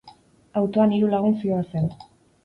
Autoan hiru lagun zihoazen.